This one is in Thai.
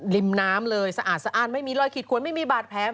ริมน้ำเลยสะอาดสะอ้านไม่มีรอยขีดขวนไม่มีบาดแผล